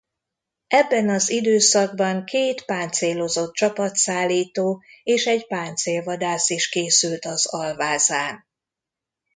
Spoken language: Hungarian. Ebben az időszakban két páncélozott csapatszállító és egy páncélvadász is készült az alvázán.